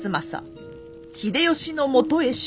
秀吉のもとへ出奔。